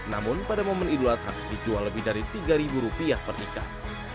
namun pada momen idul atas dijual lebih dari rp tiga per ikat